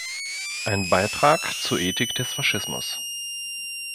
Ein Beitrag zur Ethik des Faschismus".